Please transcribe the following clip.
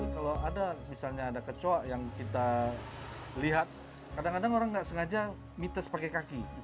kalau ada misalnya ada kecok yang kita lihat kadang kadang orang nggak sengaja mites pakai kaki